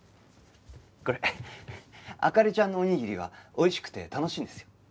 これ灯ちゃんのおにぎりはおいしくて楽しいんですよ。